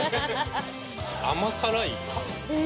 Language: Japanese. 甘辛い。